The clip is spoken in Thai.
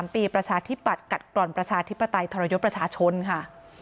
๗๓ปีประชาธิบัติกัดกรรมประชาธิบัติธรยศประชาชนค่ะ